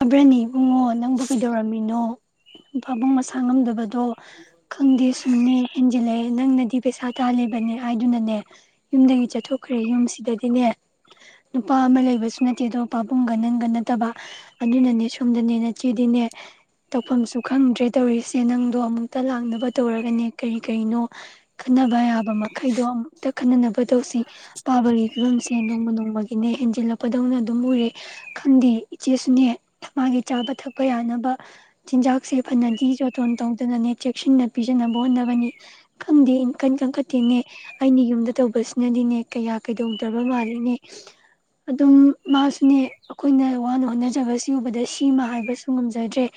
ꯌꯥꯕ꯭ꯔꯅꯤ ꯏꯕꯨꯡꯉꯣ ꯅꯪꯕꯨ ꯀꯩꯗꯧꯔꯝꯃꯤꯅꯣ ꯄꯥꯕꯨꯡ ꯃꯁꯥ ꯉꯝꯗꯕꯗꯣ ꯈꯪꯗꯦ ꯁꯨꯝꯅꯦ ꯍꯦꯟꯖꯤꯜꯂꯛꯑꯦ ꯅꯪꯅꯗꯤ ꯄꯩꯁꯥ ꯇꯥꯜꯂꯤꯕꯅꯦ ꯍꯥꯏꯗꯨꯅꯅꯦ ꯌꯨꯝꯗꯒꯤ ꯆꯠꯊꯣꯛꯈ꯭ꯔꯦ ꯌꯨꯝꯁꯤꯗꯗꯤꯅꯦ ꯅꯨꯄꯥ ꯑꯃ ꯂꯩꯕꯁꯨ ꯅꯠꯇꯦ ꯑꯗꯣ ꯄꯥꯕꯨꯡꯒ ꯅꯪꯒ ꯅꯠꯇꯕ ꯑꯗꯨꯅꯅꯦ ꯁꯣꯝꯗꯅꯦ ꯅ ꯏꯆꯦꯗꯤꯅꯦ ꯇꯧꯐꯝꯁꯨ ꯈꯪꯗ꯭ꯔꯦ ꯇꯧꯔꯤꯁꯦ ꯅꯪꯗꯣ ꯑꯃꯨꯛꯇ ꯂꯥꯛꯅꯕ ꯇꯧꯔꯒꯅꯦ ꯀꯔꯤ ꯀꯔꯤꯅꯣ ꯈꯟꯅꯕ ꯌꯥꯕ ꯃꯈꯩꯗꯣ ꯑꯃꯨꯛꯇ ꯈꯟꯅꯅꯕ ꯇꯧꯁꯤ ꯄꯥꯕꯒꯤ ꯐꯤꯕꯝꯁꯦ ꯅꯣꯡꯃ ꯅꯣꯡꯃꯒꯤꯅꯦ ꯍꯦꯟꯖꯤꯜꯂꯛꯄꯗꯧꯅ ꯑꯗꯨꯝ ꯎꯔꯦ ꯈꯪꯗꯦ ꯏꯆꯦꯁꯨꯅꯦ ꯃꯥꯒꯤ ꯆꯥꯕ ꯊꯛꯄ ꯌꯥꯅꯕ ꯆꯤꯟꯖꯥꯛꯁꯦ ꯐꯅꯗꯤꯤ ꯆꯇꯣꯟ ꯇꯧꯗꯅꯅꯦ ꯆꯦꯛꯁꯤꯟꯅ ꯄꯤꯖꯅꯕ ꯍꯣꯠꯅꯕꯅꯤ ꯈꯪꯗꯦ ꯏꯟꯟ ꯀꯟꯈꯠꯇꯦꯅꯦ ꯑꯩꯅ ꯌꯨꯝꯗ ꯇꯧꯕꯁꯤꯅꯗꯤꯅꯦ ꯀꯌꯥ ꯀꯩꯗꯧꯗ꯭ꯔꯕ ꯃꯥꯜꯂꯤꯅꯦ ꯑꯗꯨꯝ ꯃꯥꯁꯨꯅꯦ ꯑꯩꯈꯣꯏꯅ ꯋꯥꯅ ꯍꯣꯠꯅꯖꯕꯁꯤ ꯆꯨꯕꯗ ꯁꯤꯃ ꯍꯥꯏꯕꯁꯨ ꯉꯝꯖꯗ꯭ꯔꯦ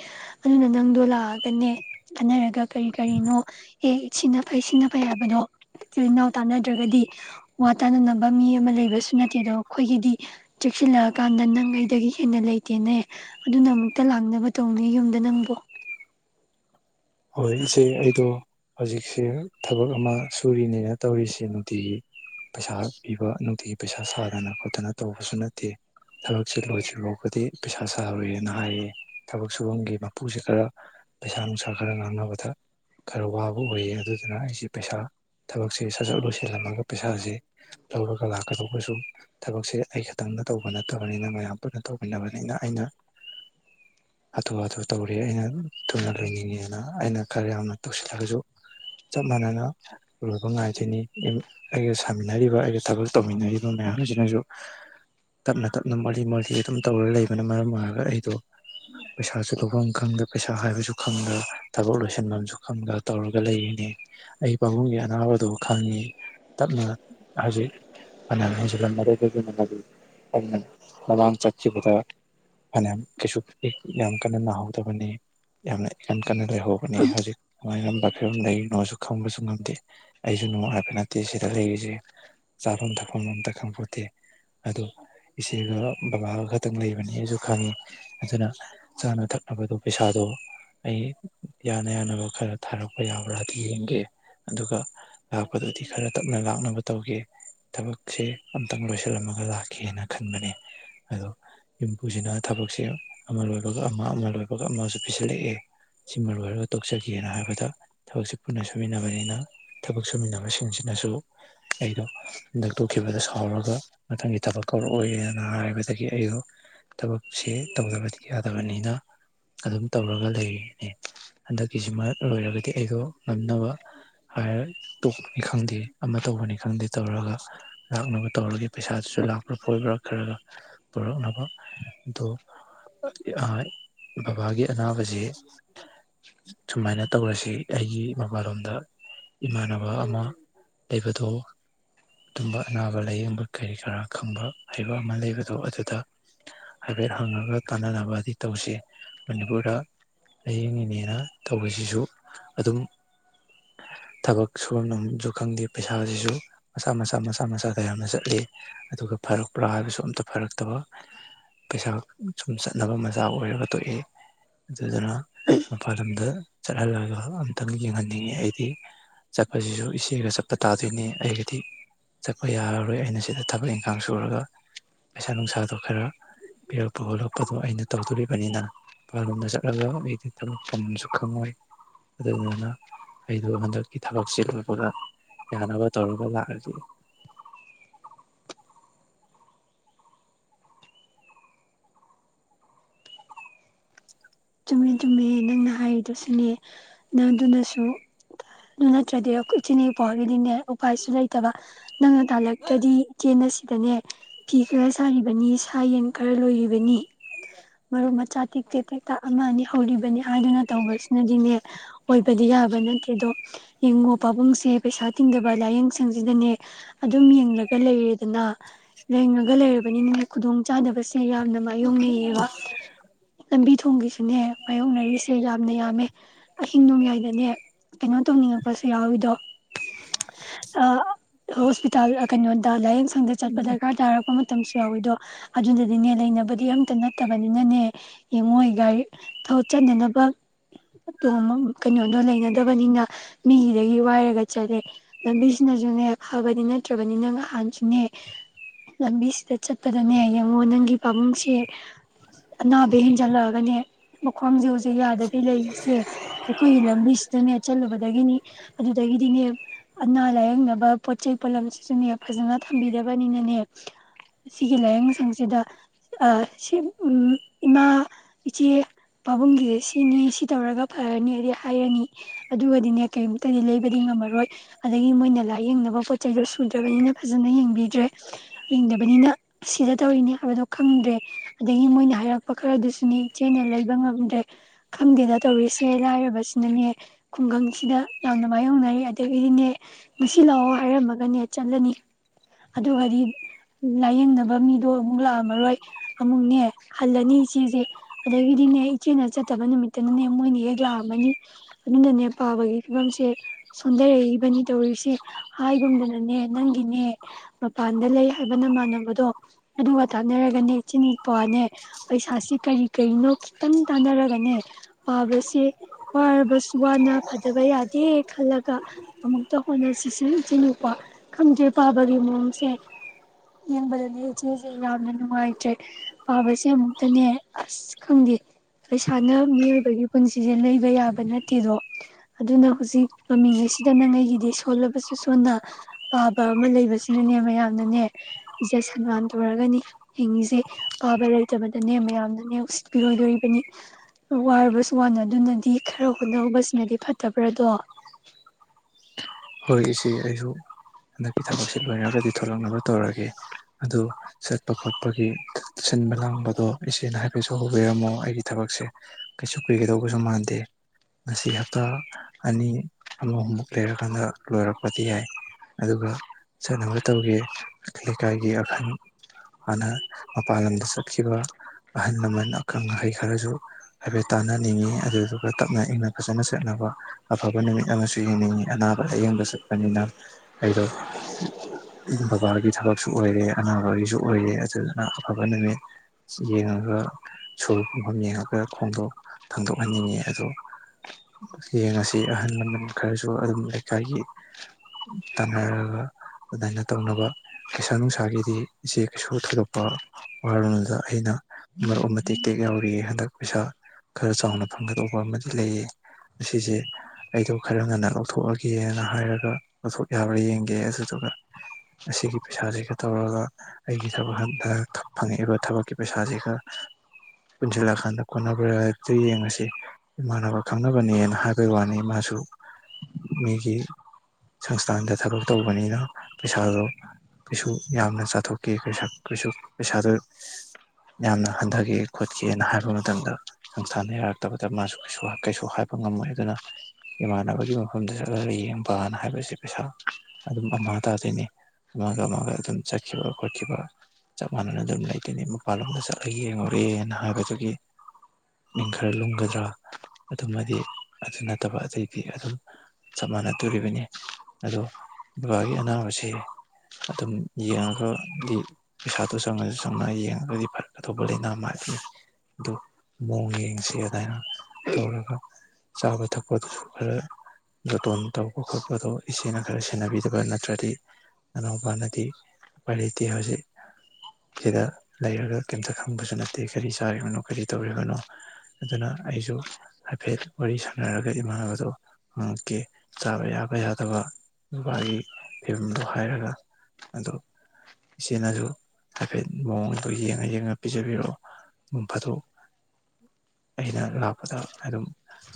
ꯑꯗꯨꯅ ꯅꯪꯗꯣ ꯂꯥꯛꯑꯒꯅꯦ ꯈꯟꯅꯔꯒ ꯀꯔꯤ ꯀꯔꯤꯅꯣ ꯑꯦ ꯁꯤꯅ ꯐꯩ ꯁꯤꯅ ꯐꯩ ꯍꯥꯏꯕꯗꯣ ꯏꯆꯤꯜ ꯏꯅꯥꯎ ꯇꯥꯟꯅꯗ꯭ꯔꯒꯗꯤ ꯋꯥ ꯇꯥꯅꯅꯕ ꯃꯤ ꯑꯃ ꯂꯩꯕꯁꯨ ꯅꯠꯇꯦ ꯑꯗꯣ ꯑꯩꯈꯣꯏꯒꯤꯗꯤ ꯆꯦꯛꯁꯤꯜꯂꯛꯑꯀꯥꯟꯗ ꯅꯪ ꯑꯩꯗꯒꯤ ꯍꯦꯟꯅ ꯂꯩꯇꯦꯅꯦ ꯑꯗꯨꯅ ꯑꯃꯨꯛꯇ ꯂꯥꯡꯅꯕ ꯇꯧꯅꯤ ꯌꯨꯝꯗ ꯅꯪꯕꯣ ꯍꯣꯏ ꯏꯆꯦ ꯑꯩꯗꯣ ꯍꯧꯖꯤꯛꯁꯦ ꯊꯕꯛ ꯑꯃ ꯁꯨꯔꯤꯅꯦꯅ ꯇꯧꯔꯤꯁꯤꯦ ꯅꯨꯡꯇꯤꯒꯤ ꯄꯩꯁꯥ ꯄꯤꯕ ꯅꯨꯡꯇꯤꯒꯤ ꯄꯩꯁꯥ ꯁꯥꯗꯅ ꯈꯣꯠꯇꯅ ꯇꯧꯕꯁꯨ ꯅꯠꯇꯦ ꯊꯕꯛꯁꯦ ꯂꯣꯏꯁꯨ ꯂꯧꯕꯗꯤ ꯄꯩꯁꯥ ꯍꯥꯥꯁꯥ ꯍꯅ ꯍꯥꯏꯌꯦ ꯊꯕꯛ ꯁꯨꯕꯒꯤ ꯃꯄꯨꯁꯤꯦ ꯈꯔ ꯄꯩꯁꯥ ꯅꯨꯡꯁꯥ ꯈꯔ ꯉꯥꯡꯅꯕꯗ ꯈꯔ ꯋꯥꯕ ꯑꯣꯏꯌꯦ ꯑꯗꯨꯗꯨꯅ ꯑꯩꯁꯤꯦ ꯄꯩꯁꯥ ꯊꯕꯛꯁꯦ ꯁꯠ ꯁꯠ ꯂꯣꯏꯁꯤꯜꯂꯝꯃꯒ ꯄꯩꯁꯥꯁꯦ ꯂꯧꯔꯒ ꯂꯥꯛꯀꯗꯧꯕꯁꯨ ꯊꯕꯛꯁꯦ ꯑꯩ ꯈꯛꯇꯪꯗ ꯇꯧꯕ ꯅꯠꯇꯕꯅꯤꯅ ꯃꯌꯥꯝ ꯄꯨꯟꯅ ꯇꯧꯃꯤꯟꯅꯕꯅꯤꯅ ꯑꯩꯅ ꯍꯥꯊꯨ ꯍꯥꯊꯨ ꯇꯧꯔꯦ ꯑꯩꯅ ꯊꯨꯅ ꯂꯩꯅꯤꯡꯉꯦ ꯑꯩꯅ ꯈꯔ ꯌꯥꯝꯅ ꯇꯧꯁꯤꯜꯂꯒꯁꯨ ꯆꯞ ꯃꯥꯟꯅꯅ ꯂꯣꯏꯕ ꯉꯥꯏꯇꯣꯏꯅꯤ ꯑꯩꯒ ꯁꯥꯃꯤꯟꯅꯔꯤꯕ ꯑꯩꯒ ꯊꯕꯛ ꯇꯧꯃꯤꯟꯅꯔꯤꯕ ꯃꯌꯥꯝꯁꯤꯅꯁꯨ ꯇꯞꯅ ꯇꯞꯅ ꯃꯔꯤ ꯃꯂꯤ ꯑꯗꯨꯝ ꯇꯧꯔ ꯂꯩꯕꯅ ꯃꯔꯝ ꯑꯣꯏꯔꯒ ꯑꯩꯗꯣ ꯄꯩꯁꯥꯁꯨ ꯂꯨꯐꯝ ꯈꯪꯗ ꯄꯩꯁꯥ ꯍꯥꯏꯕꯁꯨ ꯈꯪꯗ ꯊꯕꯛ ꯂꯣꯏꯁꯤꯟꯕꯨ ꯈꯪꯗ ꯇꯧꯔꯒ ꯂꯩꯔꯤꯅꯤ ꯑꯩ ꯄꯥꯕꯨꯡꯒꯤ ꯑꯅꯥꯕꯗꯨ ꯈꯪꯉꯤ ꯇꯞꯅ ꯍꯧꯖꯤꯛ ꯐꯅꯌꯥꯝ ꯍꯦꯟꯖꯤꯜꯂꯝꯂꯗꯒꯤ ꯑꯩꯅ ꯃꯃꯥꯡ ꯆꯠꯈꯤꯕꯗ ꯐꯅꯌꯥꯝ ꯀꯩꯁꯨ ꯌꯥꯝ ꯀꯟꯅ ꯍꯧꯗꯕꯅꯤ ꯌꯥꯝꯅ ꯀꯟꯅ ꯂꯩꯍꯧꯕꯅꯦ ꯍꯧꯖꯤꯛ ꯀꯃꯥꯏꯅꯔꯝꯕ ꯐꯤꯕꯝ ꯂꯩꯔꯤꯅꯣꯁꯨ ꯈꯪꯕꯁꯨ ꯉꯝꯗꯦ ꯑꯩꯁꯨ ꯅꯨꯡꯉꯥꯏꯕ ꯅꯠꯇꯦ ꯁꯤꯗ ꯂꯩꯔꯤꯁꯦ ꯆꯥꯐꯝ ꯊꯛꯐꯝ ꯑꯝꯇ ꯈꯪꯄꯠꯇꯦ ꯑꯗꯨ ꯏꯆꯦꯒ ꯕꯕꯥꯒ ꯈꯛꯇꯪ ꯂꯩꯕꯅꯤ ꯑꯩꯁꯨ ꯈꯪꯉꯤ ꯑꯗꯨꯅ ꯆꯥꯅ ꯊꯛꯅꯕꯗꯣ ꯄꯩꯁꯥꯗꯣ ꯑꯩ ꯌꯥꯅ ꯌꯥꯅꯕ ꯈꯔ ꯊꯥꯔꯛꯄ ꯌꯥꯕ꯭ꯔꯥꯗꯤ ꯌꯦꯡꯒꯦ ꯑꯗꯨꯒ ꯂꯥꯛꯄꯗꯗꯤ ꯈꯔ ꯇꯞꯅ ꯂꯥꯛꯅꯕ ꯇꯧꯒꯦ ꯊꯕꯛꯁꯦ ꯑꯝꯇꯪ ꯂꯣꯏꯁꯤꯜꯂꯝꯃꯒ ꯂꯥꯛꯀꯦꯅ ꯈꯟꯕꯅꯦ ꯑꯗꯣ ꯌꯨꯝ ꯄꯨꯁꯤꯅ ꯊꯕꯛꯁꯦ ꯑꯃ ꯂꯣꯏꯕꯒ ꯑꯃ ꯑꯃ ꯂꯣꯏꯕꯒ ꯑꯃꯁꯨ ꯄꯤꯁꯜꯂꯛꯑꯦ ꯁꯤ ꯃꯔ ꯑꯣꯏꯔꯒ ꯇꯣꯛꯆꯒꯦꯅ ꯍꯥꯏꯕꯗ ꯊꯕꯛꯁꯦ ꯄꯨꯟꯅ ꯁꯨꯃꯤꯟꯅꯕꯅꯤꯅ ꯊꯕꯛ ꯁꯨꯃꯤꯟꯅꯕꯁꯤꯡꯁꯤꯅꯁꯨ ꯑꯩꯗꯣ ꯗꯛ ꯇꯣꯛꯈꯤꯕꯗ ꯁꯥꯎꯔꯒ ꯃꯊꯪꯒꯤ ꯊꯕꯛ ꯀꯧꯔꯛꯑꯣꯏꯅ ꯍꯥꯏꯕꯗꯒꯤ ꯑꯩꯗꯣ ꯊꯕꯛꯁꯦ ꯇꯧꯗꯕꯗꯤ ꯌꯥꯗꯕꯅꯤꯅ ꯑꯗꯨꯝ ꯇꯧꯔꯒ ꯂꯩꯔꯤ ꯍꯟꯗꯛꯀꯤꯁꯤꯃ ꯂꯣꯏꯔꯒꯗꯤ ꯑꯩꯗꯣ ꯉꯝꯅꯕ ꯍꯥꯏꯔ ꯇ ꯅꯤ ꯈꯪꯗꯦ ꯑꯃ ꯇꯧꯕꯅꯤ ꯈꯪꯗꯦ ꯇꯧꯔꯒ ꯂꯥꯛꯅꯕ ꯇꯧꯔꯒ ꯄꯩꯁꯥꯗꯨꯁꯨ ꯂꯥꯛꯄ꯭ꯔꯥ ꯐꯣꯏꯕ꯭ꯔꯥ ꯈꯔꯒ ꯄꯨꯔꯛꯅꯕ ꯑꯗꯣ ꯑꯥ ꯕꯕꯥꯒꯤ ꯑꯅꯥꯕꯁꯤ ꯁꯨꯃꯥꯏꯅ ꯇꯧꯔꯁꯤ ꯑꯩꯒꯤ ꯃꯄꯥꯟꯂꯣꯝꯗ ꯏꯃꯥꯟꯅꯕ ꯑꯃ ꯂꯩꯕꯗꯣ ꯑꯗꯨꯝꯕ ꯑꯅꯥꯕ ꯂꯥꯏꯌꯦꯡꯕ ꯀꯔꯤ ꯀꯔꯥ ꯈꯪꯕ ꯍꯩꯕ ꯑꯃ ꯂꯩꯕꯗꯣ ꯑꯗꯨꯗ ꯍꯥꯏꯐꯦꯠ ꯍꯪꯉꯒ ꯇꯥꯟꯅꯅꯕꯗꯤ ꯇꯧꯁꯦ ꯃꯅꯤꯄꯨꯔꯗ ꯂꯥꯏꯌꯦꯡꯉꯤꯅꯦꯅ ꯇꯧꯕꯁꯤꯁꯨ ꯑꯗꯨꯝ ꯊꯕꯛ ꯁꯨꯕꯝ ꯅꯣꯝꯕꯝꯁꯨ ꯈꯪꯗꯦ ꯄꯩꯁꯥꯁꯤꯁꯨ ꯃꯆꯥꯥ ꯃꯆꯥ ꯃꯆꯥ ꯃꯆꯥ ꯀꯌꯥꯃ ꯆꯠꯂꯤ ꯑꯗꯨꯒ ꯐꯔꯛꯄ꯭ꯔꯥ ꯍꯥꯏꯕꯁꯨ ꯑꯝꯇ ꯐꯔꯛꯇꯕ ꯄꯩꯁꯥ ꯁꯨꯝ ꯆꯠꯅꯕ ꯃꯆꯥꯛ ꯑꯣꯏꯔꯒ ꯇꯣꯛꯏ ꯑꯗꯨꯗꯨꯅ ꯃꯄꯥꯟꯂꯣꯝꯗꯥ ꯆꯠꯍꯜꯂꯒ ꯑꯝꯇꯪ ꯌꯦꯡꯍꯟꯅꯤꯡꯉꯤ ꯑꯩꯗꯤ ꯆꯠꯄꯁꯤꯁꯨ ꯏꯆꯦꯒ ꯆꯠꯄ ꯇꯥꯗꯣꯏꯅꯦ ꯑꯩꯒꯗꯤ ꯆꯠꯄ ꯌꯥꯔꯔꯣꯏ ꯑꯩꯅ ꯁꯤꯗ ꯊꯕꯛ ꯏꯪꯈꯥꯡ ꯁꯨꯔꯒ ꯄꯩꯁꯥ ꯅꯨꯡꯁꯥꯗꯣ ꯈꯔ ꯄꯤꯔꯛꯄ ꯈꯣꯠꯂꯛꯄꯗꯣ ꯑꯩꯅ ꯇꯧꯗꯣꯔꯤꯕꯅꯤꯅ ꯃꯄꯥꯟꯜ ꯂꯣꯝꯗ ꯆꯠꯂꯒ ꯊꯕꯛ ꯇꯧꯕꯝꯁꯨ ꯈꯪꯉꯣꯏ ꯑꯗꯨꯗꯨꯅ ꯑꯩꯗꯣ ꯍꯟꯗꯛꯀꯤ ꯊꯕꯛꯁꯤꯦ ꯂꯨꯕꯗ ꯌꯥꯅꯕ ꯇꯧꯔꯒ ꯂꯥꯛꯑꯒ ꯆꯨꯝꯃꯦ ꯆꯨꯝꯃꯦ ꯅꯪꯅ ꯍꯥꯏꯔꯤꯗꯨꯁꯨꯅꯦ ꯅꯪ ꯑꯗꯨꯅꯁꯨ ꯑꯗꯨ ꯅꯠꯇ꯭ꯔꯗꯤ ꯏꯆꯤ ꯏ ꯄꯣꯛꯒꯤꯗꯤꯅꯦ ꯎꯄꯥꯏꯁꯨ ꯂꯩꯇꯕ ꯅꯪꯅ ꯇꯥꯜꯂꯛꯇ꯭ꯔꯗꯤ ꯏꯆꯦꯅ ꯁꯤꯗ ꯑꯅꯦ ꯐꯤ ꯈꯔꯥ ꯁꯔꯤꯕꯅꯤ ꯁꯥ ꯌꯦꯟ ꯈꯔ ꯂꯣꯏꯔꯤꯕꯅꯤ ꯃꯔꯨꯞ ꯃꯆꯥ ꯇꯦꯛ ꯇꯦꯛ ꯇꯦꯛ ꯍꯇꯥꯥꯛ ꯑꯃ ꯑꯅꯤ ꯍꯧꯔꯤꯕꯅꯤ ꯍꯥꯏꯗꯨꯅ ꯇꯧꯕꯁꯤꯅꯗꯤꯅꯦ ꯑꯣꯏꯕꯗꯤ ꯌꯥꯕ ꯅꯠꯇ꯭ꯔꯦ ꯑꯗꯣ ꯌꯦꯡꯉꯣ ꯄꯥꯕꯨꯡꯁꯦ ꯄꯩꯁꯥ ꯇꯤꯡꯗꯕ ꯂꯥꯏꯌꯦꯡꯁꯪꯁꯤꯗꯅꯦ ꯑꯗꯨꯝ ꯌꯦꯡꯂꯡꯒ ꯂꯩꯔꯦꯗꯅ ꯌꯦꯡꯉꯒ ꯂꯩꯔꯕꯅꯤꯅꯦ ꯈꯨꯗꯣꯡ ꯆꯥꯗꯕꯁꯦ ꯌꯥꯝꯅ ꯃꯥꯏꯌꯣꯛꯅꯩꯑꯦꯕ ꯂꯝꯕꯤ ꯊꯣꯡ ꯊꯨꯝꯒꯤꯁꯨꯅꯦ ꯃꯥꯌꯣꯛꯅꯔꯤꯁꯦ ꯌꯥꯝꯅ ꯌꯥꯝꯃꯦ ꯑꯍꯤꯡ ꯅꯣꯡꯌꯥꯏꯗꯅꯦ ꯀꯩꯅꯣ ꯇꯧꯅꯤꯡꯉꯛꯄꯁꯨ ꯌꯥꯎꯋꯤꯗꯣ ꯍꯣꯁꯄꯤꯇꯥꯜ ꯀꯩꯅꯣꯗ ꯂꯥꯏꯌꯦꯡ ꯁꯪꯗ ꯆꯠꯄ ꯗꯔꯀꯥꯔ ꯇꯥꯔꯛꯄ ꯃꯇꯝꯁꯨ ꯌꯥꯎꯏꯗꯣ ꯑꯗꯨꯗꯗꯤꯅꯦ ꯂꯩꯅꯕꯗꯤ ꯑꯝꯇ ꯅꯠꯇꯕꯅꯤꯅꯅꯦ ꯌꯦꯡꯉꯣꯏ ꯒꯥꯔꯤ ꯊ ꯆꯅꯅꯕ ꯀꯩꯅꯣꯗꯣ ꯂꯩꯅꯗꯕꯅꯤꯅ ꯃꯤꯒꯤꯗꯒꯤ ꯋꯥꯏꯔꯒ ꯆꯠꯂꯦ ꯂꯝꯕꯤꯁꯤꯅꯁꯨꯅꯦ ꯐꯕꯅꯤ ꯅꯠꯇ꯭ꯔꯕꯅꯤ ꯅꯪ ꯑꯍꯥꯟꯁꯨꯅꯦ ꯂꯝꯕꯤꯁꯤꯗ ꯆꯠꯄꯗꯅꯦ ꯌꯦꯡꯉꯣ ꯅꯪꯒꯤ ꯄꯥꯕꯨꯡꯁꯦ ꯑꯅꯥꯕ ꯍꯦꯟꯖꯜꯂꯛ ꯅꯦ ꯃꯈꯣꯡꯁꯦ ꯍꯧꯖꯤꯛ ꯌꯥꯗꯕꯤ ꯂꯩꯔꯤꯁꯦ ꯑꯩꯈꯣꯏꯒꯤ ꯂꯝꯕꯤꯁꯤꯗꯅꯦ ꯆꯠꯂꯨꯕꯗꯒꯤꯅꯤ ꯑꯗꯨꯗꯒꯤꯗꯤꯅꯦ ꯑꯅꯥ ꯂꯥꯏꯌꯦꯡꯅꯕ ꯄꯣꯠ ꯆꯩ ꯄꯣꯠꯂꯝꯁꯤꯁꯨꯅꯦ ꯐꯖꯅ ꯊꯝꯕꯤꯗꯕꯅꯤꯅꯅꯦ ꯁꯤꯒꯤ ꯂꯥꯏꯌꯦꯡꯁꯪꯁꯤꯗ ꯏꯃꯥ ꯏꯆꯦ ꯄꯥꯕꯨꯡꯒꯤꯁꯦ ꯁꯤꯅꯤ ꯁꯤ ꯇꯧꯔꯒ ꯐꯔꯅꯤꯗꯤ ꯍꯥꯏꯔꯅꯤ ꯑꯗꯨꯒꯗꯤꯅꯦ ꯀꯔꯤꯝꯇꯗꯤ ꯂꯩꯕꯗꯤ ꯉꯝꯃꯔꯣꯏ ꯑꯗꯒꯤ ꯃꯣꯏꯅ ꯂꯥꯏꯌꯦꯡꯅꯕ ꯄꯣꯠ ꯆꯩꯗꯣ ꯁꯨꯗ꯭ꯔꯕꯅꯤꯅ ꯐꯖꯅ ꯌꯦꯡꯕꯤꯗ꯭ꯔꯦ ꯌꯦꯡꯗꯕꯅꯤꯅ ꯁꯤꯗ ꯇꯧꯔꯤꯅꯦ ꯍꯥꯏꯕꯗꯣ ꯈꯪꯗ꯭ꯔꯦ ꯑꯗꯒꯤ ꯃꯣꯏꯅ ꯍꯥꯏꯔꯛꯄ ꯈꯔꯗꯨꯁꯨꯅꯤ ꯏꯆꯦꯅꯦ ꯂꯩꯕ ꯉꯝꯗ꯭ꯔꯦ ꯈꯪꯗꯦꯅ ꯇꯧꯔꯤꯁꯦ ꯂꯥꯏꯔꯕꯁꯤꯅꯅꯦ ꯈꯨꯡꯒꯪꯁꯤꯗ ꯌꯥꯝꯅ ꯃꯥꯥꯏꯌꯣꯛꯅꯔꯤ ꯑꯗꯨꯗꯒꯤꯗꯤꯅꯦ ꯉꯁꯤ ꯂꯥꯛꯑꯣ ꯍꯥꯏꯔꯝꯃꯒ ꯅꯦ ꯆꯠꯂꯅꯤ ꯑꯗꯨꯒꯗꯤ ꯂꯥꯏꯌꯦꯡꯅꯕ ꯃꯤꯗꯣ ꯑꯃꯨꯛ ꯂꯥꯛꯑꯝꯃꯔꯣꯏ ꯑꯃꯨꯛꯅꯦ ꯍꯜꯂꯅꯤ ꯁꯤꯁꯦ ꯑꯗꯒꯤꯗꯤꯅꯦ ꯏꯆꯦꯅ ꯆꯠꯇꯕ ꯅꯨꯃꯤꯠꯇꯅꯅꯦ ꯃꯣꯏꯅ ꯍꯦꯛ ꯂꯥꯛꯑꯝꯃꯅꯤ ꯑꯗꯨꯅꯅꯦ ꯄꯥꯕꯒꯤ ꯐꯤꯕꯝꯁꯦ ꯁꯣꯟꯊꯔꯛꯏꯕꯅꯤ ꯇꯧꯔꯤꯁꯤꯦ ꯍꯥꯏꯒꯨꯝꯗꯅꯅꯦ ꯅꯪ ꯒꯤꯅꯦ ꯃꯄꯥꯟꯗ ꯂꯩ ꯍꯥꯏꯕ ꯅꯃꯥꯟꯅꯕꯗꯣ ꯑꯗꯨꯒ ꯇꯥꯅꯔꯒꯅꯦ ꯏꯆꯤꯟ ꯏ ꯀ꯭ꯋꯥꯅꯦ ꯄꯩꯁꯥꯁꯤ ꯀꯔꯤ ꯀꯩꯅꯣ ꯈꯤꯇꯪ ꯇꯥꯟꯅꯔꯒꯅꯦ ꯄꯥꯕꯁꯦ ꯋꯥꯔꯕꯁꯨ ꯋꯥꯅ ꯐꯗꯕ ꯌꯥꯗꯦ ꯈꯜꯂꯒ ꯑꯃꯨꯛꯇ ꯍꯣꯠꯅꯁꯤꯁꯨ ꯏꯆꯤꯅꯨꯄ ꯈꯪꯗꯦ ꯄꯥꯕꯒꯤ ꯃꯑꯣꯡꯁꯦ ꯌꯦꯡꯕꯗꯗꯤ ꯏꯆꯦꯁꯦ ꯌꯥꯝꯅ ꯅꯨꯡꯉꯥꯏꯇ꯭ꯔꯦ ꯄꯥꯕꯁꯦ ꯑꯃꯨꯛꯇꯅꯦ ꯑꯁ ꯈꯪꯗꯦ ꯄꯁꯥꯅ ꯃꯤꯑꯣꯏꯕꯒꯤ ꯄꯨꯟꯁꯤꯁꯦ ꯂꯩꯕ ꯌꯥꯕ ꯅꯠꯇꯦꯗꯣ ꯑꯗꯨꯅ ꯍꯧꯖꯤꯛ ꯃꯃꯤꯉꯩꯁꯤꯗꯅ ꯑꯩꯒꯤꯗꯤ ꯁꯣꯜꯂꯕꯁꯨ ꯁꯣꯟꯅ ꯄꯥꯕ ꯑꯃ ꯂꯩꯕꯁꯤꯅꯅꯦ ꯃꯌꯥꯝꯅꯅꯦ ꯏꯖꯠ ꯁꯟꯃꯥꯟ ꯇꯧꯔꯒꯅꯤ ꯍꯤꯡꯉꯤꯁꯦ ꯄꯥꯕ ꯂꯩꯇꯕꯗꯅꯦ ꯃꯌꯥꯝꯅ ꯁꯤꯠꯄꯤꯔꯣꯏꯗꯣꯔꯤꯕꯅꯤ ꯋꯥꯔꯕꯁꯨ ꯋꯥꯅ ꯑꯗꯨꯅꯗꯤ ꯈꯔ ꯍꯣꯠꯅꯧꯕꯁꯤꯅꯗꯤ ꯐꯠꯇꯕ꯭ꯔꯥꯗꯣ ꯍꯣꯏ ꯏꯆꯦ ꯑꯩꯁꯨ ꯍꯟꯗꯛꯀꯤ ꯊꯕꯛꯁꯦ ꯂꯣꯏꯅꯔꯒꯗꯤ ꯊꯣꯛꯂꯛꯅꯕ ꯇꯧꯔꯒꯦ ꯑꯗꯨ ꯆꯠꯄ ꯈꯣꯠꯄꯒꯤ ꯁꯤꯟꯕ ꯂꯥꯡꯕꯗꯣ ꯏꯆꯦꯅ ꯍꯥꯏꯠ ꯀꯩꯁꯨ ꯍꯧꯕꯤꯔꯝꯃꯣ ꯑꯩꯒꯤ ꯊꯕꯛꯁꯦ ꯀꯩꯁꯨ ꯀꯨꯏꯒꯗꯧꯕꯁꯨ ꯃꯥꯟꯗꯦ ꯉꯁꯤ ꯍꯞꯇꯥ ꯑꯅꯤ ꯑꯃꯃꯨꯛ ꯂꯩꯔꯀꯥꯟꯗ ꯂꯣꯏꯔꯛꯄꯗꯤ ꯌꯥꯏ ꯑꯗꯨꯒ ꯆꯠꯅꯕ ꯇꯧꯒ ꯂꯩꯀꯥꯏꯒꯤ ꯑꯈꯜ ꯍꯥꯟꯅ ꯃꯄꯥꯟ ꯂꯝꯗ ꯆꯠꯈꯤꯕ ꯑꯍꯜ ꯂꯃꯟ ꯑꯈꯪ ꯑꯍꯩ ꯈꯔꯁꯨ ꯍꯥꯏꯐꯦꯠ ꯇꯥꯟꯅꯅꯤꯡꯉꯤ ꯑꯗꯨꯗꯨꯒ ꯇꯞꯅ ꯏꯪꯅ ꯐꯖꯅ ꯆꯠꯅꯕ ꯑꯐꯕ ꯅꯨꯃꯤꯠ ꯑꯃꯁꯨ ꯌꯦꯡꯅꯤꯡꯉꯤ ꯑꯅꯥꯕ ꯑꯌꯦꯡꯕ ꯆꯠꯄꯅꯤꯅ ꯑꯩꯗꯣ ꯕꯕꯥꯒꯤ ꯊꯕꯛꯁꯨ ꯑꯣꯏꯔꯦ ꯑꯅꯥꯕꯒꯤꯁꯨ ꯑꯣꯏꯔꯦ ꯑꯗꯨꯗꯨꯅ ꯑꯐꯕ ꯅꯨꯃꯤꯠ ꯌꯦꯡꯉꯒ ꯁꯣꯔ ꯈꯨꯝꯐꯝ ꯌꯦꯡꯉꯒ ꯈꯣꯡꯗꯣꯛ ꯊꯥꯡꯗꯣꯛꯍꯟꯅꯤꯡꯉꯦ ꯑꯗꯣ ꯌꯦꯡꯉꯁꯤ ꯑꯍꯜ ꯂꯃꯟ ꯈꯔꯁꯨ ꯁꯨ ꯑꯗꯨꯝ ꯂꯩꯀꯥꯏꯒꯤ ꯇꯥꯟꯅꯔꯒ ꯑꯗꯨꯃꯥꯏꯅ ꯇꯧꯅꯕ ꯄꯩꯁꯥ ꯅꯨꯡꯁꯥꯒꯤꯗꯤ ꯏꯆꯦ ꯀꯩꯁꯨ ꯊꯣꯏꯗꯣꯛꯄ ꯋꯥꯜꯔꯂꯣꯟꯗꯨꯗ ꯑꯩꯅ ꯃꯔꯨꯞ ꯃꯇ ꯇꯦꯛ ꯇꯦꯛ ꯌꯥꯎꯔꯤꯌꯦ ꯍꯟꯗꯛ ꯄꯩꯁꯥ ꯈꯔ ꯆꯥꯎꯅ ꯐꯪꯒꯗꯧꯕ ꯑꯃꯗꯤ ꯂꯩꯌꯦ ꯃꯁꯤꯁꯦ ꯑꯩꯗꯣ ꯈꯔ ꯉꯟꯅ ꯂꯧꯊꯣꯛꯑꯒꯦꯅ ꯍꯥꯏꯔꯒ ꯂꯧꯊꯣꯛ ꯌꯥꯕ꯭ꯔꯥ ꯌꯦꯡꯒꯦ ꯑꯗꯨꯗꯨꯒ ꯑꯁꯤꯒꯤ ꯄꯩꯁꯥꯁꯤꯒ ꯇꯧꯔꯒ ꯑꯩꯒꯤ ꯊꯕꯛ ꯍꯟ ꯐꯪꯉꯛꯏꯕ ꯊꯕꯛꯀꯤ ꯄꯩꯁꯥꯁꯤꯒ ꯄꯨꯟꯁꯤꯜꯂꯛꯀꯥꯟꯗ ꯀꯣꯟꯅꯕ꯭ꯔꯗꯨ ꯌꯦꯡꯉꯁꯤ ꯏꯃꯥꯟꯅꯕ ꯈꯪꯅꯕꯅꯦꯅ ꯍꯥꯏꯕꯒꯤ ꯋꯥꯅꯤ ꯃꯥꯁꯨ ꯃꯤꯒꯤ ꯁꯪꯁꯊꯥꯟꯗ ꯊꯕꯛ ꯇꯧꯕꯅꯤꯅ ꯄꯩꯁꯥꯗꯣ ꯀꯩꯁꯨ ꯌꯥꯝꯅ ꯆꯥꯊꯣꯛꯀꯦꯩ ꯀꯩꯁꯨ ꯄꯩꯁꯥꯗꯨ ꯌꯥꯝꯅ ꯍꯟꯊꯒꯦ ꯈꯣꯠꯀꯦꯅ ꯍꯥꯏꯕ ꯃꯇꯝꯗ ꯁꯪꯁꯊꯥꯟꯗ ꯌꯥꯔꯛꯇꯕꯗ ꯃꯥꯁꯨꯩ ꯀꯩꯁꯨ ꯍꯥꯏꯕ ꯉꯝꯃꯣꯏ ꯑꯗꯨꯅ ꯏꯃꯥꯟꯅꯕꯒꯤ ꯃꯐꯝꯗ ꯆꯠꯂꯒ ꯌꯦꯡꯕꯅ ꯍꯥꯏꯕꯁꯦ ꯄꯩꯁꯥ ꯑꯗꯨꯝ ꯑꯃ ꯇꯥꯗꯣꯏꯅꯤ ꯑꯃꯒ ꯑꯃꯒ ꯑꯗꯨꯝ ꯆꯠꯈꯤꯕ ꯈꯣꯠꯈꯤꯕ ꯆꯞ ꯃꯥꯟꯅꯅ ꯑꯗꯨꯝ ꯂꯩꯇꯣꯏꯅꯤ ꯃꯄꯥꯟꯂꯣꯝꯗ ꯆꯠꯂꯒ ꯌꯦꯡꯉꯨꯔꯦꯅ ꯍꯥꯏꯕꯗꯨꯒꯤ ꯃꯤ ꯈꯔ ꯂꯨꯝꯒꯗ꯭ꯔꯥ ꯑꯗꯨꯃꯗꯤ ꯑꯗꯨ ꯅꯠꯇꯕ ꯑꯗꯩꯗꯤ ꯑꯗꯨꯝ ꯆꯞ ꯃꯥꯟꯅꯗꯣꯔꯤꯕꯅꯤ ꯑꯗꯣ ꯕꯕꯥꯒꯤ ꯑꯅꯥꯕꯁꯤ ꯑꯗꯨꯝ ꯌꯦꯡꯉꯒꯗꯤ ꯄꯩꯁꯥꯗꯣ ꯆꯪꯉꯁꯨ ꯆꯪꯉ ꯌꯦꯡꯉꯒꯗꯤ ꯐꯔꯛꯀꯗꯧꯕ ꯂꯥꯏꯅꯥ ꯃꯥ ꯑꯗꯨ ꯃꯑꯣꯡ ꯌꯦꯡꯁꯤ ꯑꯗꯨꯃꯥꯏꯅ ꯇꯧꯔꯒ ꯆꯥꯕ ꯊꯛꯄꯗꯨꯁꯨ ꯈꯔ ꯖꯣꯇꯣꯟ ꯇꯧꯕ ꯈꯣꯠꯄꯗꯣ ꯏꯆꯦꯅ ꯈꯔ ꯁꯦꯟꯅꯕꯤꯗꯕ ꯅꯠꯇ꯭ꯔꯗꯤ ꯑꯅꯧꯄꯥꯅꯗꯤ ꯎꯥꯏ ꯂꯩꯇꯦ ꯍꯧꯖꯤꯛ ꯁꯤꯗ ꯂꯩꯔꯒ ꯀꯩꯝꯇ ꯈꯪꯕꯁꯨ ꯅꯠꯇꯦ ꯀꯔꯤ ꯆꯥꯔꯤꯕꯅꯣ ꯀꯔꯤ ꯇꯧꯔꯤꯕꯅꯣ ꯑꯗꯨꯅ ꯑꯩꯁꯨ ꯍꯥꯏꯐꯦꯠ ꯋꯥꯔꯤ ꯁꯥꯟꯅꯔꯒ ꯏꯃꯥꯟꯅꯕꯗꯣ ꯍꯪꯉꯛꯀꯦ ꯆꯥꯕ ꯌꯥꯕ ꯌꯥꯗꯕ ꯕꯥꯒꯤ ꯐꯤꯕꯝꯗꯣ ꯍꯥꯏꯔꯒ ꯑꯗꯨ ꯏꯆꯦꯅꯁꯨ ꯍꯥꯏꯐꯦꯠ ꯃꯑꯣꯡꯗꯣ ꯌꯦꯡꯉ ꯌꯦꯡꯉ ꯄꯤꯖꯕꯤꯔꯛꯑꯣ ꯑꯗꯨꯝ ꯐꯗꯣꯛ ꯑꯩꯅ ꯂꯥꯛꯄꯗ ꯑꯗꯨꯝ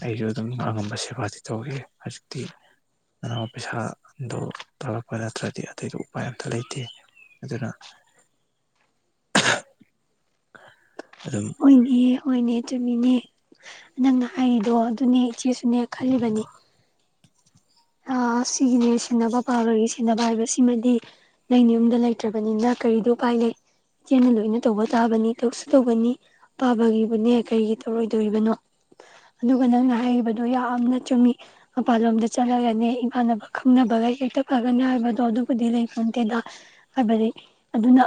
ꯑꯩꯁꯨ ꯑꯗꯨꯝ ꯑꯉꯝꯕ ꯁꯦꯕꯥꯗꯤ ꯇꯧꯒ ꯍꯧꯖꯤꯛꯇꯤ ꯑꯅꯧꯕ ꯄꯩꯁꯥꯗꯣ ꯇꯧꯂꯛꯄ ꯅꯠꯇ꯭ꯔꯗꯤ ꯑꯇꯩꯗꯤ ꯎꯄꯥꯏ ꯑꯝꯇ ꯂꯩꯇꯦ ꯑꯗꯨꯅ ꯑꯗꯨꯝ ꯍꫭꯏꯅꯦ -ꯍꫭꯏꯅꯦ꯫ ꯆꯨꯝꯃꯤꯅꯦ ꯅꯪꯅ ꯍꯥꯏꯔꯤꯗꯣ ꯑꯗꯨꯅꯦ ꯏꯆꯦꯁꯨꯅꯦ ꯈꯜꯂꯤꯕꯅꯦ꯫ ꯑꯥ ꯁꯤꯒꯤꯅꯦ ꯁꯤꯟꯅꯕ ꯄꯥꯕꯒꯤ ꯁꯤꯟꯅꯕ ꯍꯥꯏꯕꯁꯤꯃꯗꯤ ꯅꯪꯪꯅꯗꯤ ꯌꯨꯝꯗ ꯂꯩꯇ꯭ꯔꯕꯅꯤꯅ ꯀꯔꯤꯗꯤ ꯎꯄꯥꯏ ꯂꯩ ꯏꯆꯦꯅ ꯂꯣꯏꯅ ꯇꯧꯕ ꯇꯥꯕꯅꯤ ꯇꯧꯁꯨ ꯇꯧꯒꯅꯤ ꯄꯥꯕꯒꯤꯕꯨꯅꯦ ꯀꯔꯤꯒꯤ ꯇꯧꯔꯣꯏꯗꯣꯔꯤꯕꯅꯣ ꯑꯗꯨꯒ ꯅꯪꯅ ꯍꯥꯏꯈꯤꯕꯗꯣ ꯌꯥꯝꯅ ꯆꯨꯝꯃꯤ ꯃꯄꯥꯟꯂꯣꯝꯗ ꯆꯠꯂꯒꯅꯦ꯫ ꯐꯥꯟꯅꯕ ꯈꯪꯅꯕꯒ ꯍꯦꯛꯇ ꯐꯒꯅꯤ ꯍꯥꯏꯕꯗꯣ ꯑꯗꯨꯕꯨꯗꯤ ꯂꯩ ꯈꯣꯟꯇꯦꯗ ꯍꯥꯏꯕꯗꯤ ꯑꯗꯨꯅ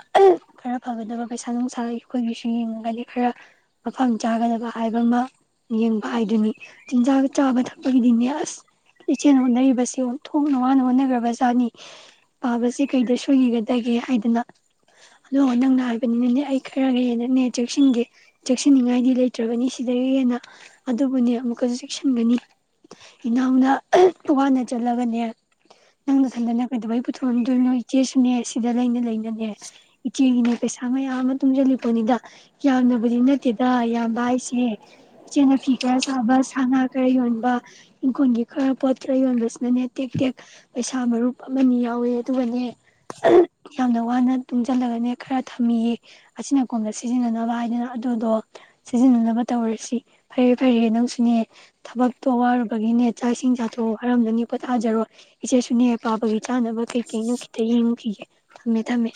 ꯈꯔ ꯐꯒꯗꯕ ꯄꯩꯁꯥ ꯅꯨꯡꯁꯥ ꯑꯩꯈꯣꯏꯒꯤꯁꯨ ꯌꯦꯡꯉꯒꯗꯤ ꯈꯔ ꯃꯐꯝ ꯆꯥꯒꯗꯕ ꯍꯥꯏꯕ ꯑꯃ ꯌꯦꯡꯕ ꯍꯥꯏꯗꯨꯅꯤ ꯆꯤꯟꯖꯥꯛ ꯆꯥꯕ ꯊꯛꯄꯒꯤꯗꯤꯅꯦ ꯑꯁ꯫ ꯏꯆꯦꯅꯅꯕꯁ ꯊꯣꯡꯅ ꯋꯥꯅ ꯍꯣꯠꯅꯈ꯭ꯔꯕꯖꯥꯠꯅꯤ ꯄꯥꯕꯁꯤ ꯀꯩꯗ ꯁꯣꯏꯈꯤꯒꯗꯒꯦ ꯍꯥꯏꯗꯅ ꯑꯗꯣ ꯅꯪꯅ ꯍꯥꯏꯕꯅꯤꯅꯅꯦ ꯑꯩ ꯈꯔꯒ ꯍꯦꯟꯅꯅꯦ ꯆꯦꯛꯁꯤꯟꯒꯦ ꯆꯦꯛꯁꯤꯟꯅꯤꯡꯉꯥꯏꯗꯤ ꯂꯩꯇ꯭ꯔꯕꯅꯤ ꯁꯤꯗꯒꯤ ꯍꯦꯟꯅ ꯑꯗꯨꯕꯨꯅꯦ ꯑꯃꯨꯛꯀꯁꯨ ꯆꯦꯛꯁꯤꯟꯒꯅꯤ ꯏꯅꯥꯎꯅ ꯄꯋꯥꯥꯟꯅ ꯂꯒꯅꯦ ꯅꯪꯅꯊꯟꯗꯅ ꯀꯩꯗꯧꯕꯩ ꯄꯨꯊꯣꯔꯝꯗꯣꯏꯅꯣ ꯏꯆꯦꯁꯨꯅꯦ ꯑꯦ ꯑꯁꯤꯗ ꯂꯩꯅ ꯂꯩꯅꯤ ꯏꯆꯦ ꯄꯩꯁꯥ ꯃꯌꯥꯝ ꯑꯃ ꯇꯨꯡꯁꯤꯂꯛꯄꯅꯤꯗ ꯌꯥꯝꯅꯕꯗꯤ ꯅꯠꯇꯦꯗ ꯌꯥꯝꯕ ꯍꯥꯏꯁꯦ ꯏꯆꯦꯟꯅꯅꯥꯄꯤꯤ ꯈꯔ ꯆꯥꯕ ꯁꯥ ꯉꯥ ꯈꯔ ꯌꯣꯟꯕ ꯏꯪꯈꯣꯜꯒꯤ ꯈꯔ ꯄꯣꯠ ꯆꯍꯤ ꯍꯗꯦ ꯑꯗꯨꯅꯦ ꯇꯦꯛ ꯇꯦꯛ ꯄꯩꯁꯥ ꯃꯔꯨꯞ ꯑꯃꯅꯤ ꯌꯥꯎꯋꯦ ꯑꯗꯨꯒꯅꯦ ꯌꯥꯝꯅ ꯋꯥꯅ ꯇꯨꯡꯁꯤꯜꯂꯒꯅꯦ ꯈꯔ ꯊꯝꯃꯤꯌꯦ ꯑꯁꯤꯅ ꯀꯣꯟꯗ ꯁꯤꯖꯤꯟꯅꯅꯕ ꯍꯥꯏꯗꯅ ꯑꯗꯨꯗꯣ ꯁꯤꯖꯤꯟꯅꯅꯕ ꯇꯧꯔꯁꯤ ꯐꯔꯦ ꯐꯔꯦ ꯅꯪꯁꯨꯅꯦ ꯊꯕꯛꯇꯣ ꯋꯥꯔꯨꯕꯒꯤꯅꯦ ꯆꯥꯛ ꯏꯁꯤꯡ ꯆꯥꯊꯣꯛ ꯋꯥꯔꯝꯗꯅꯤ ꯐꯠꯥꯖꯔꯣꯏ ꯏꯆꯦꯁꯨꯨꯅꯦꯌꯥ ꯄꯥꯕꯒꯤ ꯆꯥꯅꯕ ꯀꯩꯀꯩ ꯅꯨꯡꯈꯤꯗ ꯌꯦꯡꯉꯨꯈꯤꯒꯦ ꯊꯝꯃꯦ ꯊꯝꯃꯦ